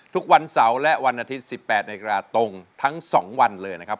ทุกวันเสาร์และวันอาทิตย์๑๘นาฬิกาตรงทั้ง๒วันเลยนะครับ